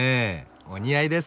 お似合いです。